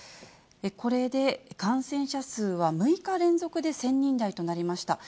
これで感染者数は６日連続で１０００人台となりました。